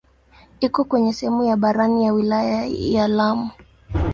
Iko kwenye sehemu ya barani ya wilaya ya Lamu.